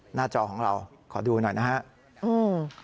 หน้าจอของเราขอดูหน่อยนะครับ